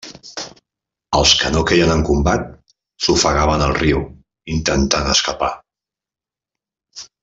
Els que no queien en combat, s'ofegaven al riu, intentant escapar.